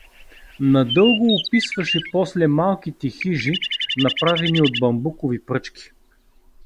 Надълго описваше после малките хижи, направени от бамбукови пръчки.